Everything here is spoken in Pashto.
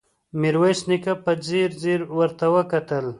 ميرويس نيکه په ځير ځير ورته وکتل.